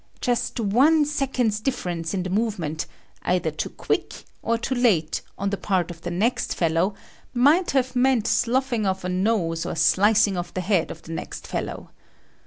Just one second's difference in the movement, either too quick or too late, on the part of the next fellow, might have meant sloughing off a nose or slicing off the head of the next fellow.